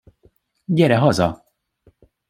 Gyere haza!